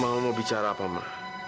mama mau bicara apa ma